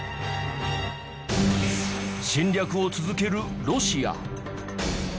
侵略を続けるロシア